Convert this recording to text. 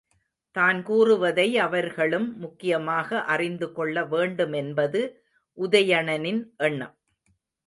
தான் கூறுவதை அவர்களும் முக்கியமாக அறிந்துகொள்ள வேண்டுமென்பது உதயணனின் எண்ணம்.